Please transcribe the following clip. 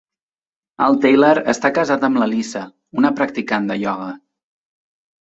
El Taylor està casat amb la Lisa, una practicant de ioga.